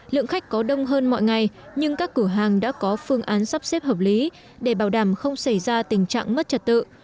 lượng khách có đông hơn mọi ngày nhưng các cửa hàng đã có phương án sắp xếp hợp lý để bảo đảm không xảy ra tình trạng mất trật tự